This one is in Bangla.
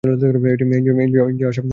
এনজিও আশা, ব্র্যাক, প্রশিকা।